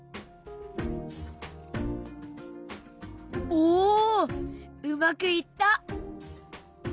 おうまくいった。